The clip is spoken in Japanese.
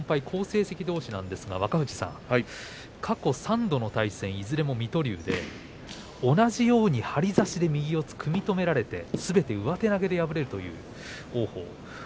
好成績どうしですが過去３度の対戦いずれも水戸龍で同じように張り差しで右四つ組み止められてすべて上手投げで敗れるという王鵬。